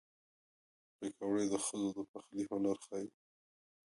پکورې د ښځو د پخلي هنر ښيي